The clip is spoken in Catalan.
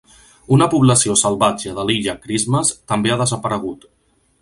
Una població salvatge de l'Illa Christmas també ha desaparegut.